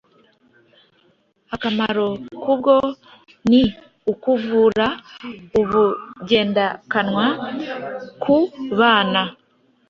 akamaro kabwo ni ukuvura ubugendakanwa ku bana